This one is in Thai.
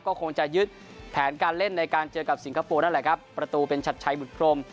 ก็คงจะยึดแผนการเล่นในการเจอกับสิงคโปร์นั่นแหละครับประตูเป็นชัดชัยบุตรพรม